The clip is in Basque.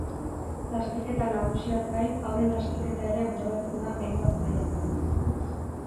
Lasterketa nagusiaz gain haurren lasterketa ere antolatzen da hainbat mailatan.